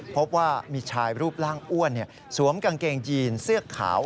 พบว่ามีชายรูปร่างอ้วนสวมกางเกงยีนเสื้อขาว